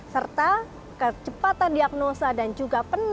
serta kecepatan diagnosa dan juga penyakit